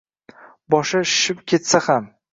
Boshi shishib ketsa ham